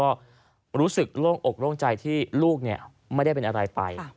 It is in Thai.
ก็รู้สึกโล่งอกโล่งใจที่ลูกไม่ได้เป็นอะไรไป